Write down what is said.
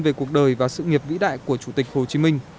về cuộc đời và sự nghiệp vĩ đại của chủ tịch hồ chí minh